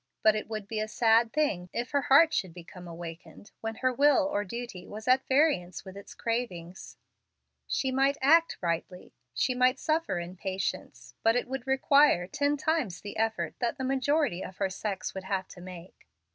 But it would be a sad thing for Charlotte Marsden if her heart should become awakened when her will or duty was at variance with its cravings. She might act rightly, she might suffer in patience, but it would require ten times the effort that the majority of her sex would have to make.